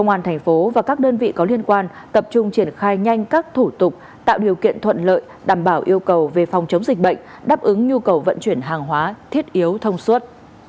công an thành phố và các đơn vị có liên quan tập trung triển khai nhanh các thủ tục tạo điều kiện thuận lợi đảm bảo yêu cầu về phòng chống dịch bệnh đáp ứng nhu cầu vận chuyển hàng hóa thiết yếu thông suốt